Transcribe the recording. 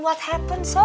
apa yang terjadi